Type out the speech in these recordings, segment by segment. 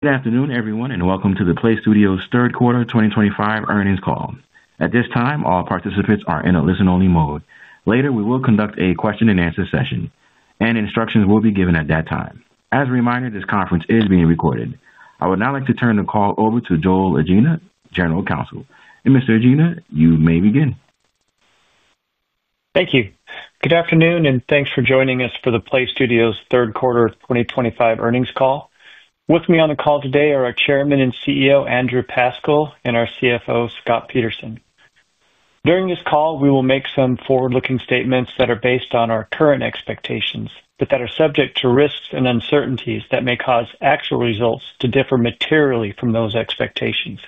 Good afternoon, everyone, and welcome to the PLAYSTUDIOS third quarter 2025 earnings call. At this time, all participants are in a listen-only mode. Later, we will conduct a question-and-answer session, and instructions will be given at that time. As a reminder, this conference is being recorded. I would now like to turn the call over to Joel Ajina, General Counsel. Mr. Ajina, you may begin. Thank you. Good afternoon, and thanks for joining us for the PLAYSTUDIOS third quarter 2025 earnings call. With me on the call today are our Chairman and CEO, Andrew Pascal, and our CFO, Scott Peterson. During this call, we will make some forward-looking statements that are based on our current expectations, but that are subject to risks and uncertainties that may cause actual results to differ materially from those expectations.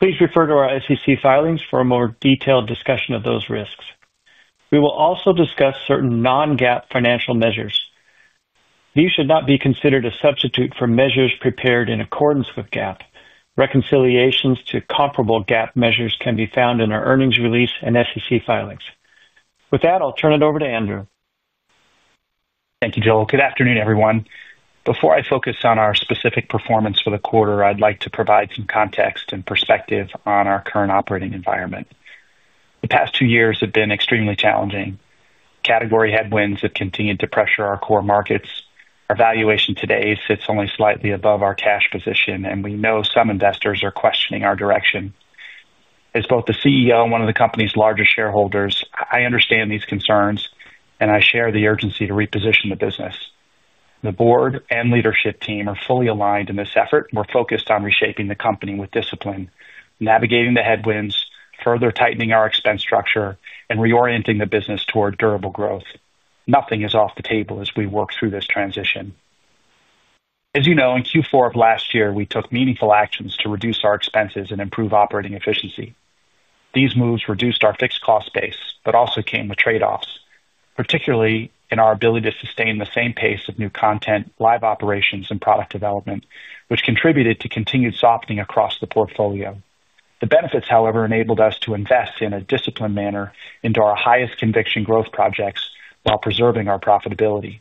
Please refer to our SEC filings for a more detailed discussion of those risks. We will also discuss certain non-GAAP financial measures. These should not be considered a substitute for measures prepared in accordance with GAAP. Reconciliations to comparable GAAP measures can be found in our earnings release and SEC filings. With that, I'll turn it over to Andrew. Thank you, Joel. Good afternoon, everyone. Before I focus on our specific performance for the quarter, I'd like to provide some context and perspective on our current operating environment. The past two years have been extremely challenging. Category headwinds have continued to pressure our core markets. Our valuation today sits only slightly above our cash position, and we know some investors are questioning our direction. As both the CEO and one of the company's larger shareholders, I understand these concerns, and I share the urgency to reposition the business. The board and leadership team are fully aligned in this effort. We're focused on reshaping the company with discipline, navigating the headwinds, further tightening our expense structure, and reorienting the business toward durable growth. Nothing is off the table as we work through this transition. As you know, in Q4 of last year, we took meaningful actions to reduce our expenses and improve operating efficiency. These moves reduced our fixed cost base, but also came with trade-offs, particularly in our ability to sustain the same pace of new content, live operations, and product development, which contributed to continued softening across the portfolio. The benefits, however, enabled us to invest in a disciplined manner into our highest-conviction growth projects while preserving our profitability.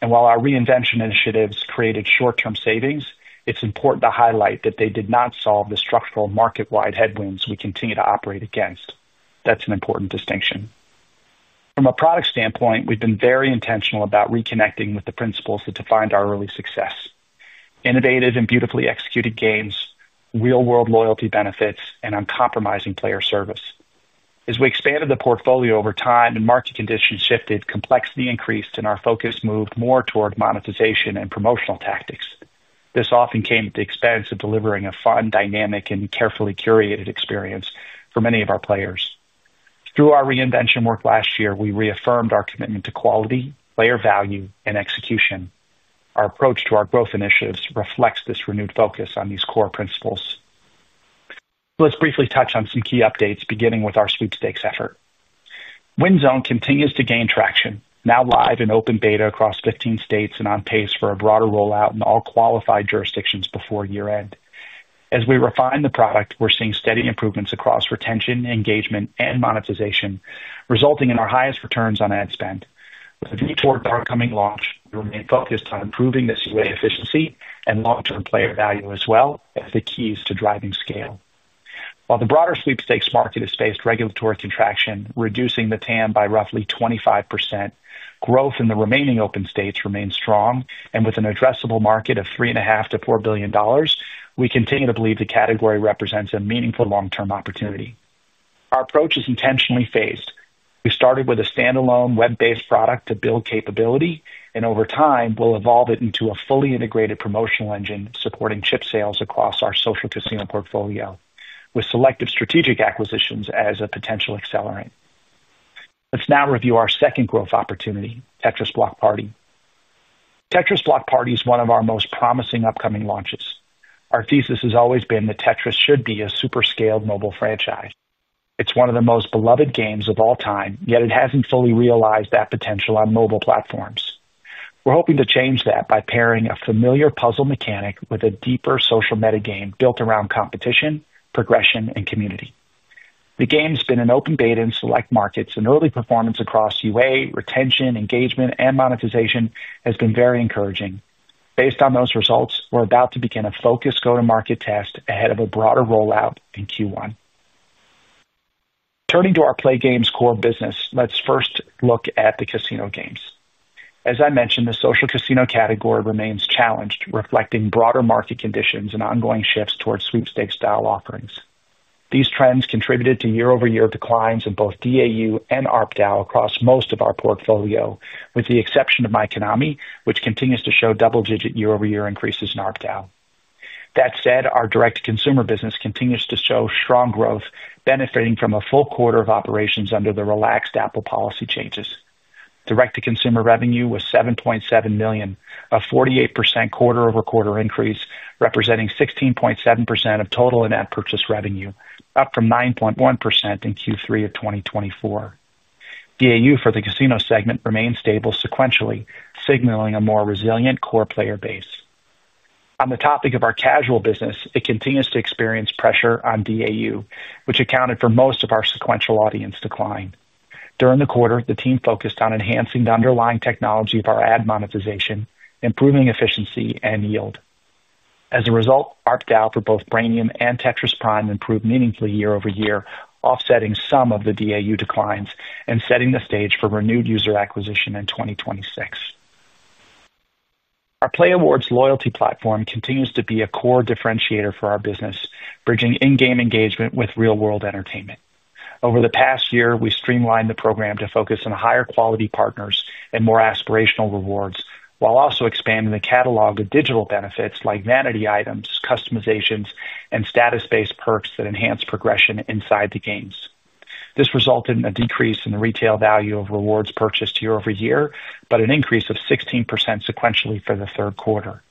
While our reinvention initiatives created short-term savings, it's important to highlight that they did not solve the structural market-wide headwinds we continue to operate against. That's an important distinction. From a product standpoint, we've been very intentional about reconnecting with the principles that defined our early success: innovative and beautifully executed games, real-world loyalty benefits, and uncompromising player service. As we expanded the portfolio over time and market conditions shifted, complexity increased, and our focus moved more toward monetization and promotional tactics. This often came at the expense of delivering a fun, dynamic, and carefully curated experience for many of our players. Through our reinvention work last year, we reaffirmed our commitment to quality, player value, and execution. Our approach to our growth initiatives reflects this renewed focus on these core principles. Let's briefly touch on some key updates, beginning with our sweepstakes effort. WinZone continues to gain traction, now live in open beta across 15 states and on pace for a broader rollout in all qualified jurisdictions before year-end. As we refine the product, we're seeing steady improvements across retention, engagement, and monetization, resulting in our highest returns on ad spend. With a view towards our upcoming launch, we remain focused on improving this way of efficiency and long-term player value as well as the keys to driving scale. While the broader sweepstakes market is faced regulatory contraction, reducing the TAM by roughly 25%, growth in the remaining open states remains strong, and with an addressable market of $3.5 billion-$4 billion, we continue to believe the category represents a meaningful long-term opportunity. Our approach is intentionally phased. We started with a standalone web-based product to build capability, and over time, we'll evolve it into a fully integrated promotional engine supporting chip sales across our social casino portfolio, with selective strategic acquisitions as a potential accelerant. Let's now review our second growth opportunity, Tetris Block Party. Tetris Block Party is one of our most promising upcoming launches. Our thesis has always been that Tetris should be a super-scaled mobile franchise. It's one of the most beloved games of all time, yet it hasn't fully realized that potential on mobile platforms. We're hoping to change that by pairing a familiar puzzle mechanic with a deeper social meta game built around competition, progression, and community. The game's been in open beta in select markets, and early performance across UA, retention, engagement, and monetization has been very encouraging. Based on those results, we're about to begin a focused go-to-market test ahead of a broader rollout in Q1. Turning to our play games core business, let's first look at the casino games. As I mentioned, the social casino category remains challenged, reflecting broader market conditions and ongoing shifts towards sweepstakes-style offerings. These trends contributed to year-over-year declines in both DAU and ARPDAU across most of our portfolio, with the exception of MyKonami, which continues to show double-digit year-over-year increases in ARPDAU. That said, our direct-to-consumer business continues to show strong growth, benefiting from a full quarter of operations under the relaxed Apple policy changes. Direct-to-consumer revenue was $7.7 million, a 48% quarter-over-quarter increase, representing 16.7% of total in-app purchase revenue, up from 9.1% in Q3 of 2024. DAU for the casino segment remained stable sequentially, signaling a more resilient core player base. On the topic of our casual business, it continues to experience pressure on DAU, which accounted for most of our sequential audience decline. During the quarter, the team focused on enhancing the underlying technology of our ad monetization, improving efficiency, and yield. As a result, ARPDAU for both Brainium and Tetris Prime improved meaningfully year-over-year, offsetting some of the DAU declines and setting the stage for renewed user acquisition in 2026. Our playAWARDS loyalty platform continues to be a core differentiator for our business, bridging in-game engagement with real-world entertainment. Over the past year, we streamlined the program to focus on higher-quality partners and more aspirational rewards, while also expanding the catalog of digital benefits like vanity items, customizations, and status-based perks that enhance progression inside the games. This resulted in a decrease in the retail value of rewards purchased year-over-year, but an increase of 16% sequentially for the third quarter.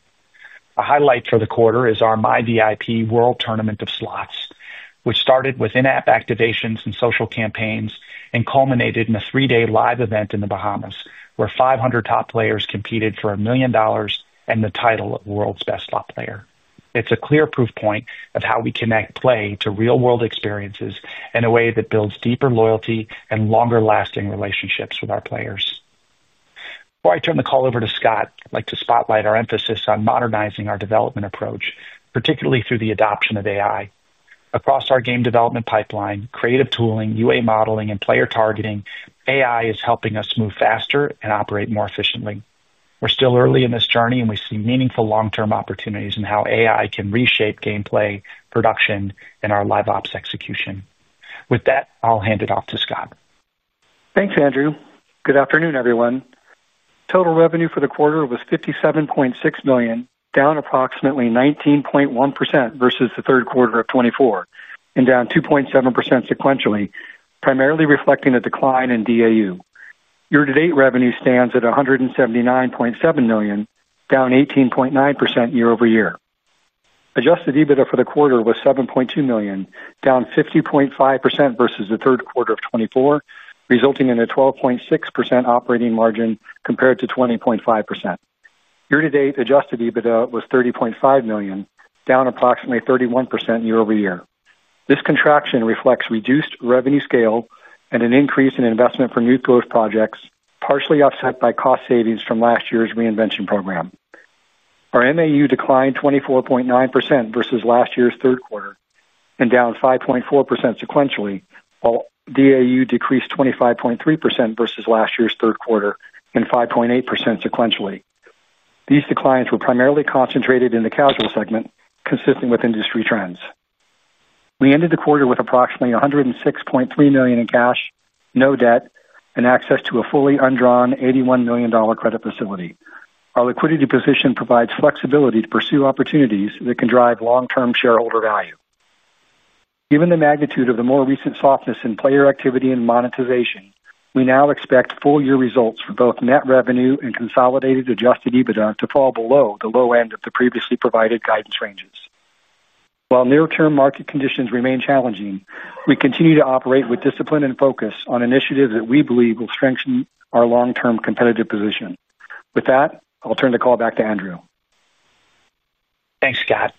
A highlight for the quarter is our MyVIP World Tournament of Slots, which started with in-app activations and social campaigns and culminated in a three-day live event in the Bahamas, where 500 top players competed for a million dollars and the title of World's Best Slot Player. It's a clear proof point of how we connect play to real-world experiences in a way that builds deeper loyalty and longer-lasting relationships with our players. Before I turn the call over to Scott, I'd like to spotlight our emphasis on modernizing our development approach, particularly through the adoption of AI. Across our game development pipeline, creative tooling, UA modeling, and player targeting, AI is helping us move faster and operate more efficiently. We're still early in this journey, and we see meaningful long-term opportunities in how AI can reshape gameplay, production, and our live ops execution. With that, I'll hand it off to Scott. Thanks, Andrew. Good afternoon, everyone. Total revenue for the quarter was $57.6 million, down approximately 19.1% versus the third quarter of 2024, and down 2.7% sequentially, primarily reflecting a decline in DAU. Year-to-date revenue stands at $179.7 million, down 18.9% year-over-year. Adjusted EBITDA for the quarter was $7.2 million, down 50.5% versus the third quarter of 2024, resulting in a 12.6% operating margin compared to 20.5%. Year-to-date adjusted EBITDA was $30.5 million, down approximately 31% year-over-year. This contraction reflects reduced revenue scale and an increase in investment for new growth projects, partially offset by cost savings from last year's reinvention program. Our MAU declined 24.9% versus last year's third quarter and down 5.4% sequentially, while DAU decreased 25.3% versus last year's third quarter and 5.8% sequentially. These declines were primarily concentrated in the casual segment, consistent with industry trends. We ended the quarter with approximately $106.3 million in cash, no debt, and access to a fully undrawn $81 million credit facility. Our liquidity position provides flexibility to pursue opportunities that can drive long-term shareholder value. Given the magnitude of the more recent softness in player activity and monetization, we now expect full-year results for both net revenue and consolidated adjusted EBITDA to fall below the low end of the previously provided guidance ranges. While near-term market conditions remain challenging, we continue to operate with discipline and focus on initiatives that we believe will strengthen our long-term competitive position. With that, I'll turn the call back to Andrew. Thanks, Scott.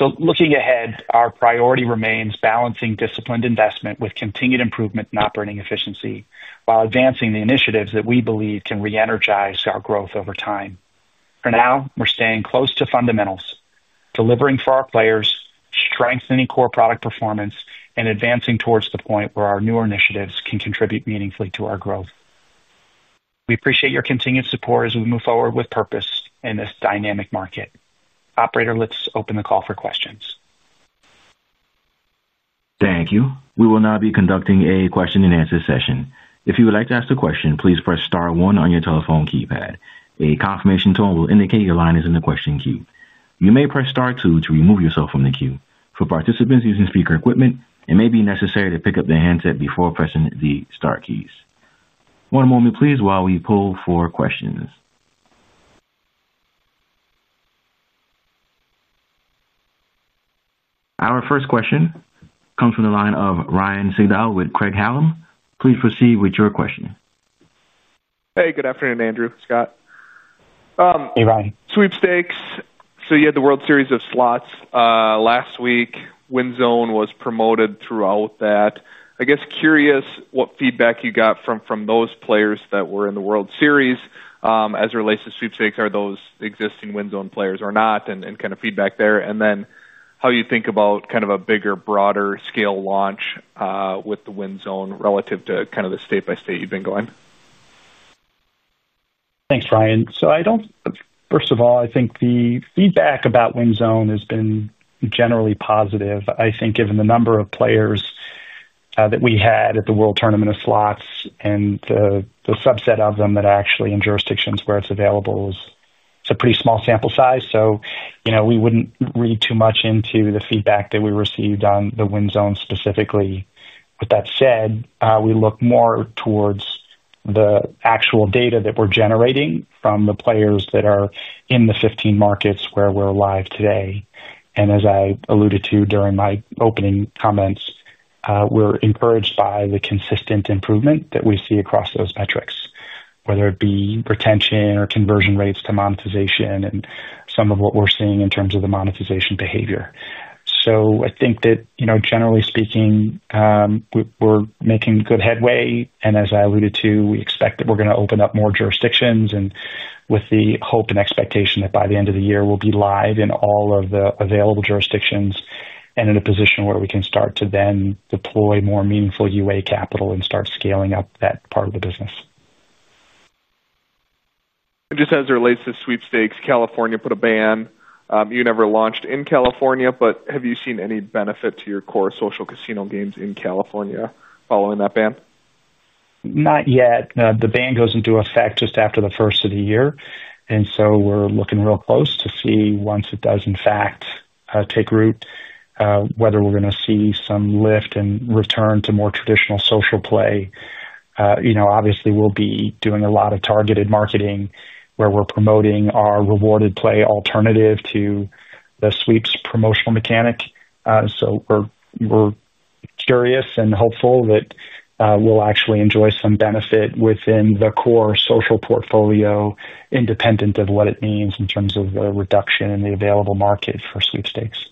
Looking ahead, our priority remains balancing disciplined investment with continued improvement in operating efficiency while advancing the initiatives that we believe can re-energize our growth over time. For now, we're staying close to fundamentals, delivering for our players, strengthening core product performance, and advancing towards the point where our newer initiatives can contribute meaningfully to our growth. We appreciate your continued support as we move forward with purpose in this dynamic market. Operator, let's open the call for questions. Thank you. We will now be conducting a question-and-answer session. If you would like to ask a question, please press Star 1 on your telephone keypad. A confirmation tone will indicate your line is in the question queue. You may press Star 2 to remove yourself from the queue. For participants using speaker equipment, it may be necessary to pick up the handset before pressing the Star keys. One moment, please, while we pull for questions. Our first question comes from the line of Ryan Seidal with Craig Hallam. Please proceed with your question. Hey, good afternoon, Andrew, Scott. Hey, Ryan. Sweepstakes. You had the World Series of Slots. Last week, WinZone was promoted throughout that. I guess curious what feedback you got from those players that were in the World Series. As it relates to Sweepstakes, are those existing WinZone players or not, and kind of feedback there. Then how you think about kind of a bigger, broader-scale launch with the WinZone relative to kind of the state-by-state you have been going. Thanks, Ryan. I don't, first of all, I think the feedback about WinZone has been generally positive. I think given the number of players that we had at the World Tournament of Slots and the subset of them that are actually in jurisdictions where it's available, it's a pretty small sample size. We wouldn't read too much into the feedback that we received on the WinZone specifically. With that said, we look more towards the actual data that we're generating from the players that are in the 15 markets where we're live today. As I alluded to during my opening comments, we're encouraged by the consistent improvement that we see across those metrics, whether it be retention or conversion rates to monetization and some of what we're seeing in terms of the monetization behavior. I think that, generally speaking, we're making good headway. As I alluded to, we expect that we're going to open up more jurisdictions with the hope and expectation that by the end of the year, we'll be live in all of the available jurisdictions and in a position where we can start to then deploy more meaningful UA capital and start scaling up that part of the business. Just as it relates to Sweepstakes, California put a ban. You never launched in California, but have you seen any benefit to your core social casino games in California following that ban? Not yet. The ban goes into effect just after the first of the year. We are looking real close to see once it does, in fact, take root, whether we are going to see some lift and return to more traditional social play. Obviously, we will be doing a lot of targeted marketing where we are promoting our rewarded play alternative to the Sweeps promotional mechanic. We are curious and hopeful that we will actually enjoy some benefit within the core social portfolio, independent of what it means in terms of the reduction in the available market for Sweepstakes.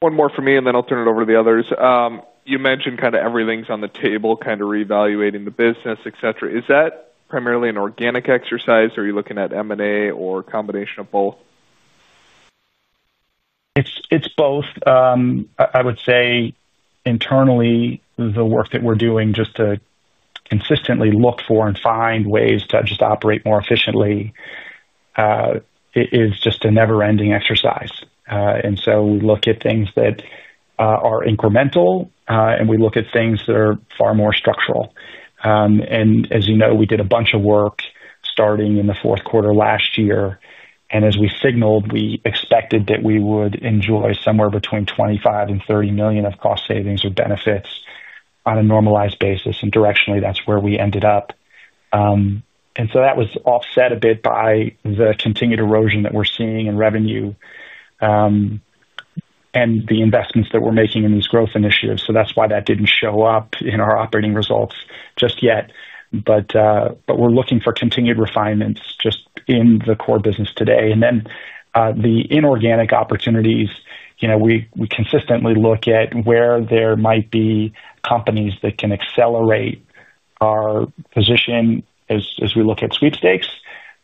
One more for me, and then I'll turn it over to the others. You mentioned kind of everything's on the table, kind of reevaluating the business, etc. Is that primarily an organic exercise, or are you looking at M&A or a combination of both? It's both. I would say. Internally, the work that we're doing just to consistently look for and find ways to just operate more efficiently is just a never-ending exercise. We look at things that are incremental, and we look at things that are far more structural. As you know, we did a bunch of work starting in the fourth quarter last year. As we signaled, we expected that we would enjoy somewhere between $25 million and $30 million of cost savings or benefits on a normalized basis. Directionally, that's where we ended up. That was offset a bit by the continued erosion that we're seeing in revenue and the investments that we're making in these growth initiatives. That's why that didn't show up in our operating results just yet. We're looking for continued refinements just in the core business today. The inorganic opportunities, we consistently look at where there might be companies that can accelerate our position. As we look at Sweepstakes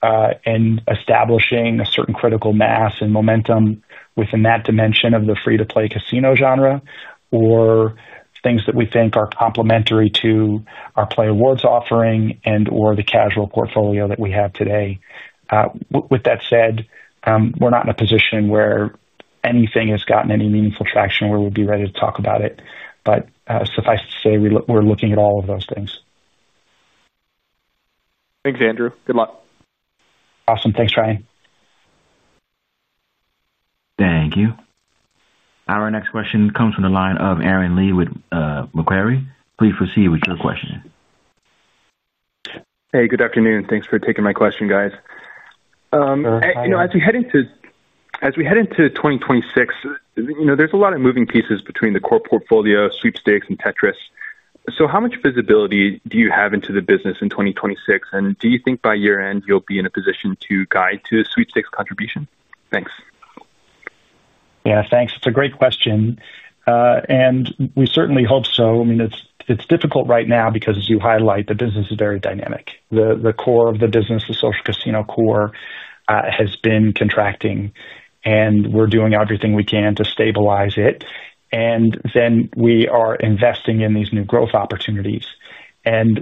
and establishing a certain critical mass and momentum within that dimension of the free-to-play casino genre or things that we think are complementary to our playAWARDS offering and/or the casual portfolio that we have today. With that said, we're not in a position where anything has gotten any meaningful traction where we'd be ready to talk about it. Suffice to say, we're looking at all of those things. Thanks, Andrew. Good luck. Awesome. Thanks, Ryan. Thank you. Our next question comes from the line of Aaron Lee with Macquarie. Please proceed with your question. Hey, good afternoon. Thanks for taking my question, guys. As we head into 2026, there's a lot of moving pieces between the core portfolio, Sweepstakes, and Tetris. How much visibility do you have into the business in 2026? Do you think by year-end you'll be in a position to guide to a Sweepstakes contribution? Thanks. Yeah, thanks. It's a great question. We certainly hope so. I mean, it's difficult right now because, as you highlight, the business is very dynamic. The core of the business, the social casino core, has been contracting, and we're doing everything we can to stabilize it. We are investing in these new growth opportunities.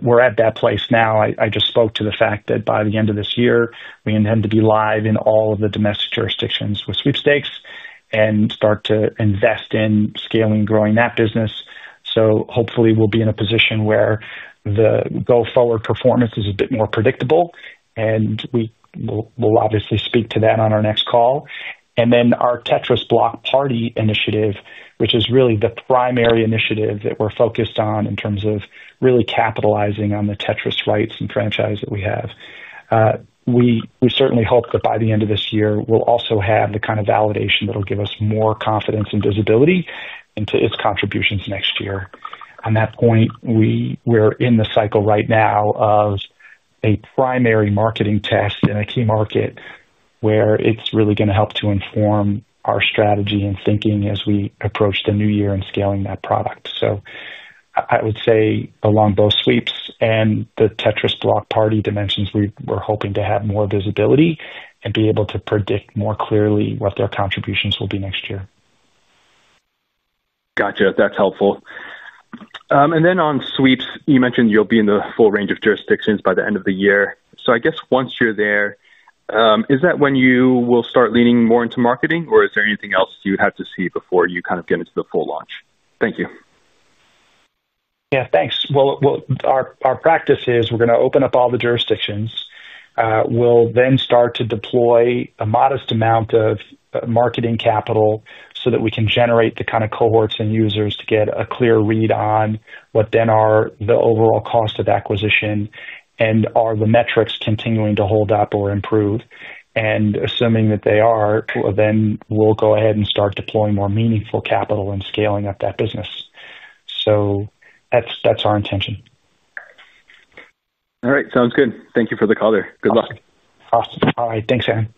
We're at that place now. I just spoke to the fact that by the end of this year, we intend to be live in all of the domestic jurisdictions with Sweepstakes and start to invest in scaling and growing that business. Hopefully, we'll be in a position where the go-forward performance is a bit more predictable. We'll obviously speak to that on our next call. Our Tetris Block Party initiative, which is really the primary initiative that we're focused on in terms of really capitalizing on the Tetris rights and franchise that we have. We certainly hope that by the end of this year, we'll also have the kind of validation that'll give us more confidence and visibility into its contributions next year. On that point, we're in the cycle right now of a primary marketing test in a key market, where it's really going to help to inform our strategy and thinking as we approach the new year and scaling that product. I would say along both Sweeps and the Tetris Block Party dimensions, we're hoping to have more visibility and be able to predict more clearly what their contributions will be next year. Gotcha. That's helpful. Then on Sweeps, you mentioned you'll be in the full range of jurisdictions by the end of the year. I guess once you're there, is that when you will start leaning more into marketing, or is there anything else you would have to see before you kind of get into the full launch? Thank you. Yeah, thanks. Our practice is we're going to open up all the jurisdictions. We'll then start to deploy a modest amount of marketing capital so that we can generate the kind of cohorts and users to get a clear read on what then are the overall cost of acquisition and are the metrics continuing to hold up or improve. Assuming that they are, we'll go ahead and start deploying more meaningful capital and scaling up that business. That's our intention. All right. Sounds good. Thank you for the call there. Good luck. Awesome. All right. Thanks, Aaron.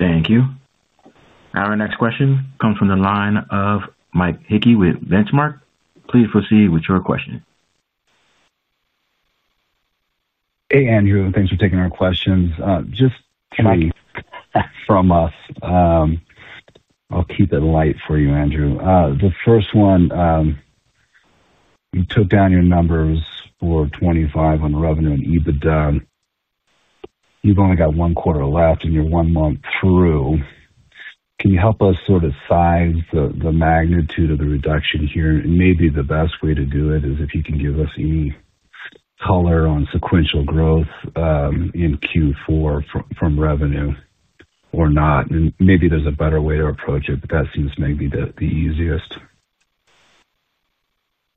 Thank you. Our next question comes from the line of Mike Hickey with Benchmark. Please proceed with your question. Hey, Andrew. Thanks for taking our questions. Just three from us. I'll keep it light for you, Andrew. The first one. You took down your numbers for 2025 on revenue and EBITDA. You've only got one quarter left, and you're one month through. Can you help us sort of size the magnitude of the reduction here? Maybe the best way to do it is if you can give us any color on sequential growth in Q4 from revenue or not. Maybe there's a better way to approach it, but that seems maybe the easiest.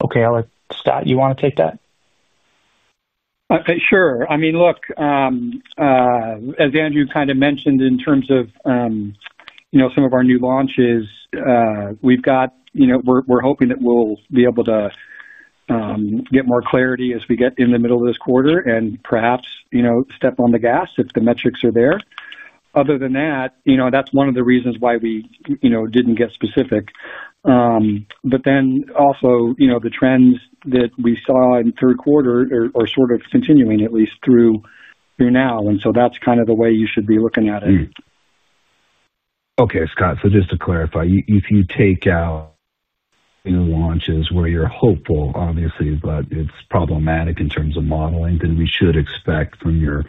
Okay. Scott, you want to take that? Sure. I mean, look. As Andrew kind of mentioned in terms of some of our new launches, we're hoping that we'll be able to get more clarity as we get in the middle of this quarter and perhaps step on the gas if the metrics are there. Other than that, that's one of the reasons why we didn't get specific. The trends that we saw in third quarter are sort of continuing, at least through now. That's kind of the way you should be looking at it. Okay, Scott. So just to clarify, if you take out new launches where you're hopeful, obviously, but it's problematic in terms of modeling, then we should expect from your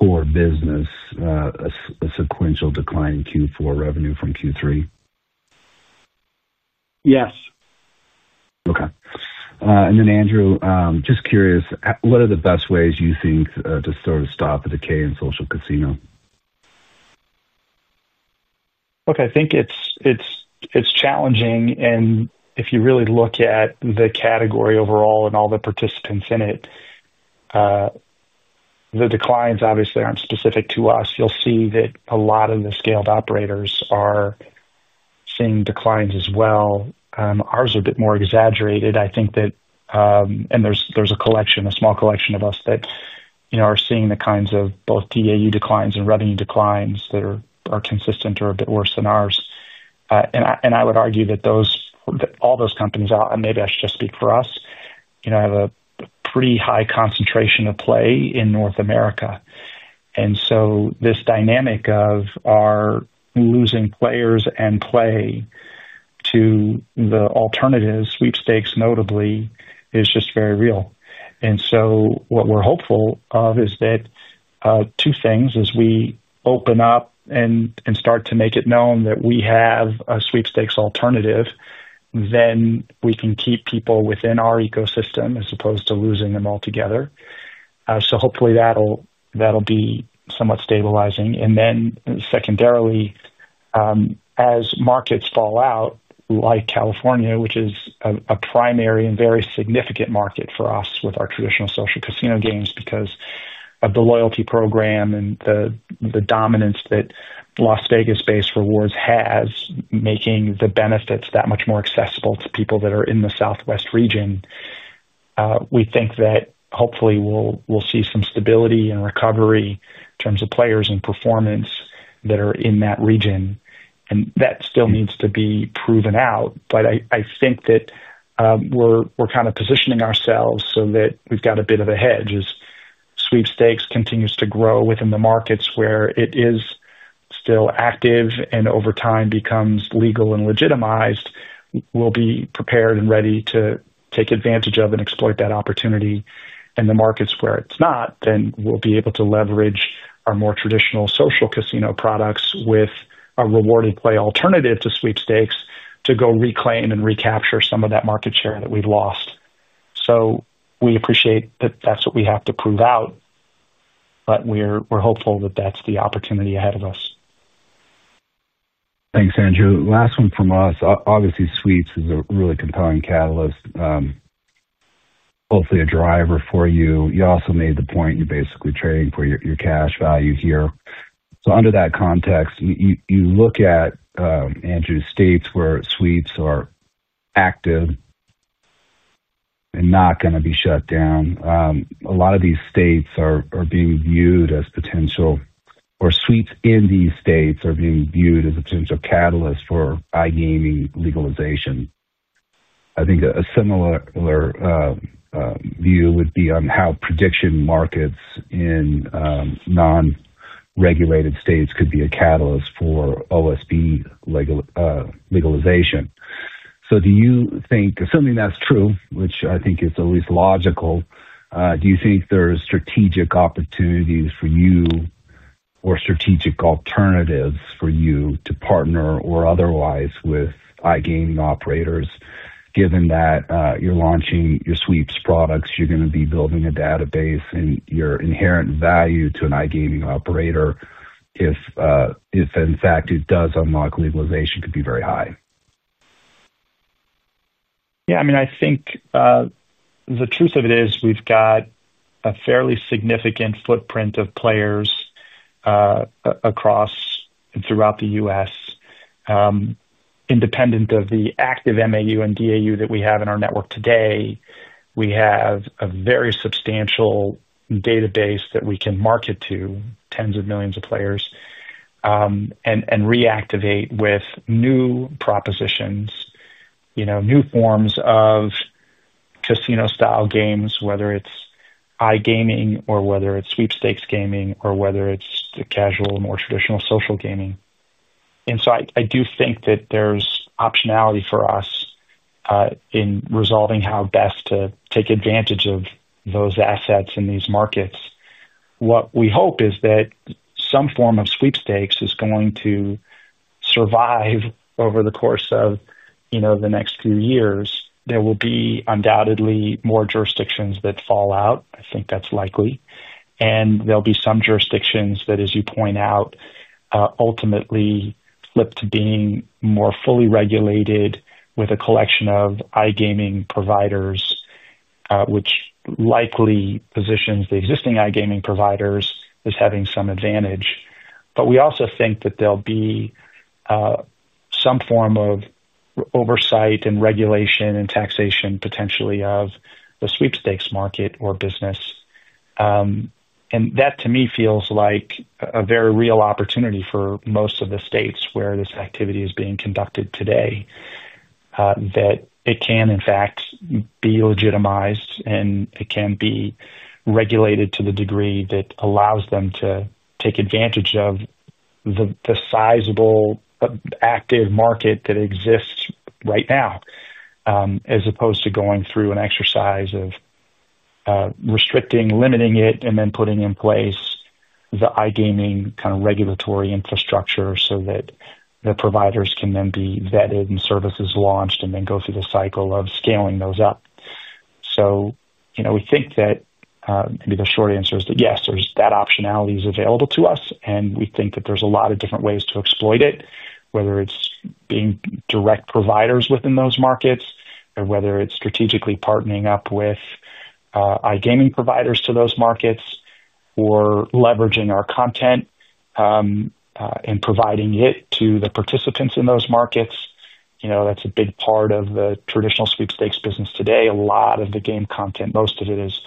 core business a sequential decline in Q4 revenue from Q3? Yes. Okay. Andrew, just curious, what are the best ways you think to sort of stop the decay in social casino? Look, I think it's challenging. And if you really look at the category overall and all the participants in it, the declines obviously aren't specific to us. You'll see that a lot of the scaled operators are seeing declines as well. Ours are a bit more exaggerated. I think that, and there's a small collection of us that are seeing the kinds of both DAU declines and revenue declines that are consistent or a bit worse than ours. I would argue that all those companies, and maybe I should just speak for us, have a pretty high concentration of play in North America. This dynamic of our losing players and play to the alternatives, Sweepstakes notably, is just very real. What we're hopeful of is two things. As we open up and start to make it known that we have a Sweepstakes alternative, then we can keep people within our ecosystem as opposed to losing them altogether. Hopefully, that'll be somewhat stabilizing. Secondarily, as markets fall out, like California, which is a primary and very significant market for us with our traditional social casino games because of the loyalty program and the dominance that Las Vegas-based rewards has, making the benefits that much more accessible to people that are in the Southwest region, we think that hopefully we'll see some stability and recovery in terms of players and performance that are in that region. That still needs to be proven out. I think that we're kind of positioning ourselves so that we've got a bit of a hedge as Sweepstakes continues to grow within the markets where it is still active and over time becomes legal and legitimized. We'll be prepared and ready to take advantage of and exploit that opportunity. In the markets where it's not, then we'll be able to leverage our more traditional social casino products with a rewarded play alternative to Sweepstakes to go reclaim and recapture some of that market share that we've lost. We appreciate that that's what we have to prove out, but we're hopeful that that's the opportunity ahead of us. Thanks, Andrew. Last one from us. Obviously, Sweeps is a really compelling catalyst. Hopefully a driver for you. You also made the point you're basically trading for your cash value here. Under that context, you look at states where Sweeps are active and not going to be shut down. A lot of these states are being viewed as potential, or Sweeps in these states are being viewed as a potential catalyst for iGaming legalization. I think a similar view would be on how prediction markets in non-regulated states could be a catalyst for OSB legalization. Do you think, assuming that's true, which I think is at least logical, do you think there are strategic opportunities for you or strategic alternatives for you to partner or otherwise with iGaming operators? Given that you're launching your Sweeps products, you're going to be building a database and your inherent value to an iGaming operator, if in fact it does unlock legalization, could be very high. Yeah. I mean, I think. The truth of it is we've got a fairly significant footprint of players across and throughout the U.S. Independent of the active MAU and DAU that we have in our network today, we have a very substantial database that we can market to tens of millions of players and reactivate with new propositions, new forms of casino-style games, whether it's iGaming or whether it's Sweepstakes gaming or whether it's the casual and more traditional social gaming. I do think that there's optionality for us in resolving how best to take advantage of those assets in these markets. What we hope is that some form of Sweepstakes is going to survive over the course of the next few years. There will be undoubtedly more jurisdictions that fall out. I think that's likely. There'll be some jurisdictions that, as you point out, ultimately flip to being more fully regulated with a collection of iGaming providers, which likely positions the existing iGaming providers as having some advantage. We also think that there'll be some form of oversight and regulation and taxation potentially of the Sweepstakes market or business. That, to me, feels like a very real opportunity for most of the states where this activity is being conducted today, that it can, in fact, be legitimized and it can be regulated to the degree that allows them to take advantage of the sizable active market that exists right now, as opposed to going through an exercise of restricting, limiting it, and then putting in place the iGaming kind of regulatory infrastructure so that the providers can then be vetted and services launched and then go through the cycle of scaling those up. We think that maybe the short answer is that yes, that optionality is available to us. We think that there's a lot of different ways to exploit it, whether it's being direct providers within those markets or whether it's strategically partnering up with iGaming providers to those markets or leveraging our content and providing it to the participants in those markets. That's a big part of the traditional Sweepstakes business today. A lot of the game content, most of it, is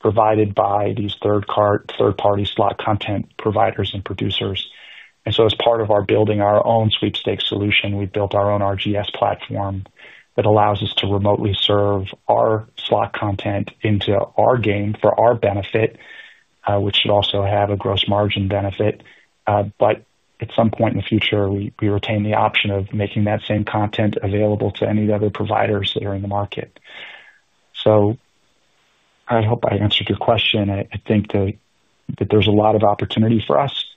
provided by these third-party slot content providers and producers. As part of our building our own Sweepstakes solution, we've built our own RGS platform that allows us to remotely serve our slot content into our game for our benefit, which should also have a gross margin benefit. At some point in the future, we retain the option of making that same content available to any other providers that are in the market. I hope I answered your question. I think that there's a lot of opportunity for us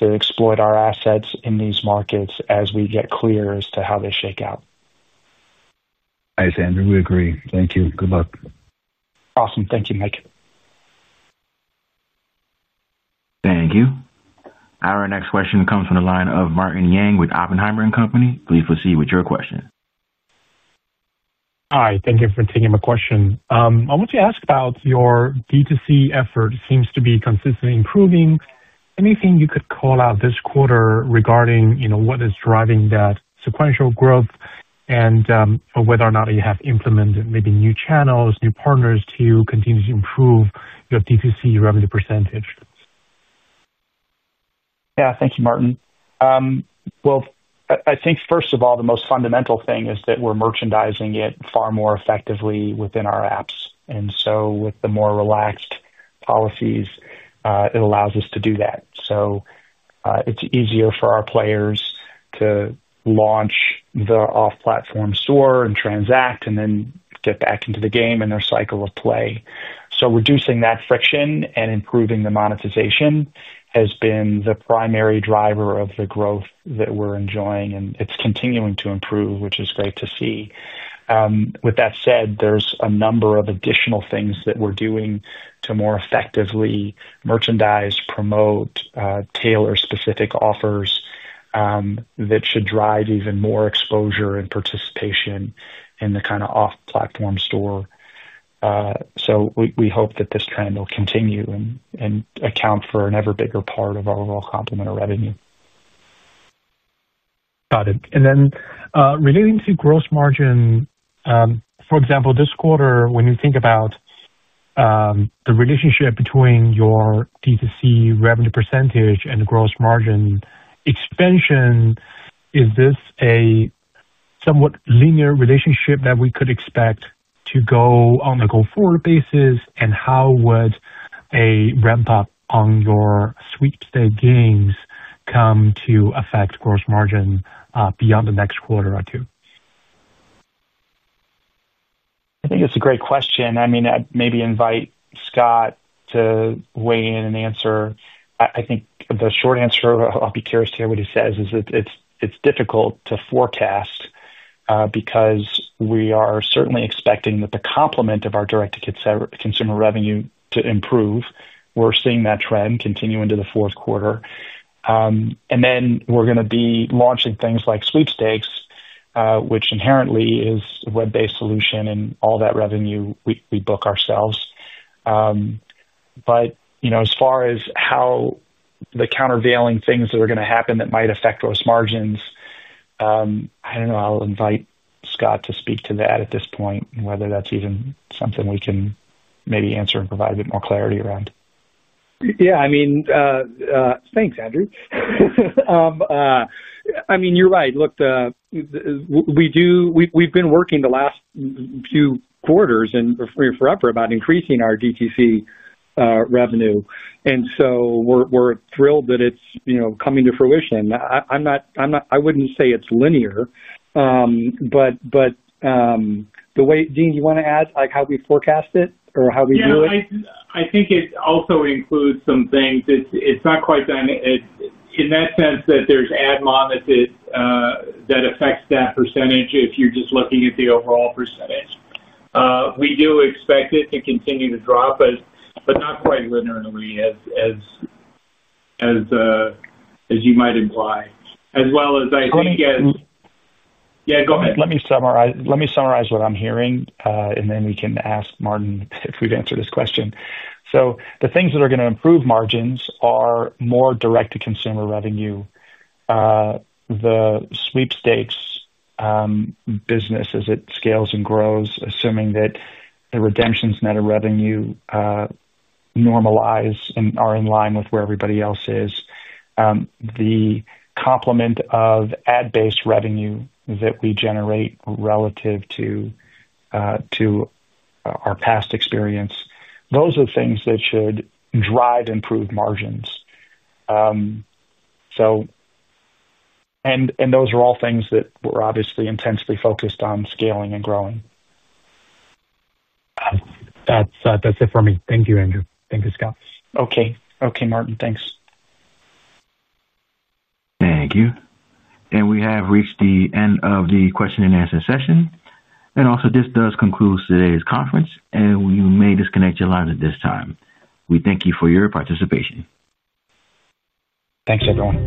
to exploit our assets in these markets as we get clear as to how they shake out. Thanks, Andrew. We agree. Thank you. Good luck. Awesome. Thank you, Mike. Thank you. Our next question comes from the line of Martin Yang with Oppenheimer & Company. Please proceed with your question. Hi. Thank you for taking my question. I want to ask about your B2C effort. It seems to be consistently improving. Anything you could call out this quarter regarding what is driving that sequential growth and whether or not you have implemented maybe new channels, new partners to continue to improve your D2C revenue percentage? Yeah. Thank you, Martin. I think, first of all, the most fundamental thing is that we're merchandising it far more effectively within our apps. With the more relaxed policies, it allows us to do that. It's easier for our players to launch the off-platform store and transact and then get back into the game and their cycle of play. Reducing that friction and improving the monetization has been the primary driver of the growth that we're enjoying. It's continuing to improve, which is great to see. With that said, there's a number of additional things that we're doing to more effectively merchandise, promote, tailor specific offers that should drive even more exposure and participation in the kind of off-platform store. We hope that this trend will continue and account for an ever bigger part of our overall complementary revenue. Got it. And then relating to gross margin, for example, this quarter, when you think about the relationship between your D2C revenue percentage and the gross margin expansion, is this a somewhat linear relationship that we could expect to go on a go-forward basis? And how would a ramp-up on your sweepstakes games come to affect gross margin beyond the next quarter or two? I think it's a great question. I mean, maybe invite Scott to weigh in and answer. I think the short answer, I'll be curious to hear what he says, is that it's difficult to forecast. Because we are certainly expecting that the complement of our direct-to-consumer revenue to improve. We're seeing that trend continue into the fourth quarter. We are going to be launching things like Sweepstakes, which inherently is a web-based solution, and all that revenue we book ourselves. As far as how the countervailing things that are going to happen that might affect gross margins, I don't know. I'll invite Scott to speak to that at this point, whether that's even something we can maybe answer and provide a bit more clarity around. Yeah. I mean. Thanks, Andrew. I mean, you're right. Look. We've been working the last few quarters and forever about increasing our D2C revenue. And so we're thrilled that it's coming to fruition. I wouldn't say it's linear. The way, Dean, do you want to add how we forecast it or how we do it? Yeah. I think it also includes some things. It's not quite done. In that sense that there's ad monetization that affects that % if you're just looking at the overall %. We do expect it to continue to drop, but not quite linearly as you might imply. As well as I think as. Go ahead. Let me summarize what I'm hearing, and then we can ask Martin if we've answered this question. The things that are going to improve margins are more direct-to-consumer revenue. The Sweepstakes business, as it scales and grows, assuming that the redemptions net of revenue normalize and are in line with where everybody else is. The complement of ad-based revenue that we generate relative to our past experience, those are things that should drive improved margins. Those are all things that we're obviously intensely focused on scaling and growing. That's it for me. Thank you, Andrew. Thank you, Scott. Okay. Okay, Martin. Thanks. Thank you. We have reached the end of the question and answer session. This does conclude today's conference, and we may disconnect your lines at this time. We thank you for your participation. Thanks, everyone.